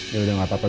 yaudah nggak apa apa